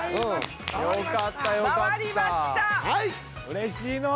うれしいの。